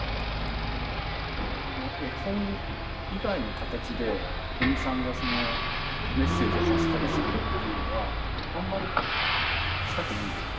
絵本以外の形で五味さんがメッセージを発したりするっていうのはあんまりしたくないんですか？